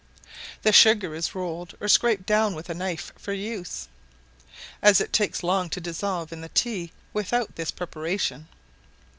The sugar is rolled or scraped down with a knife for use, as it takes long to dissolve in the tea without this preparation.